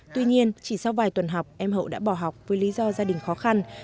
tuy nhiên chỉ sau vài tuần học em hậu đã bỏ học với lý do gia đình khó khăn